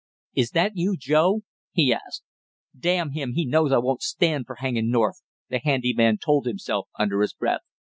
"Is that you, Joe?" he asked. "Damn him, he knows I won't stand for hangin' North!" the handy man told himself under his breath.